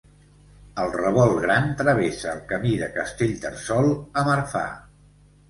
Al Revolt Gran travessa el Camí de Castellterçol a Marfà.